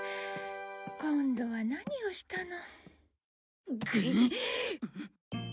今度は何をしたの？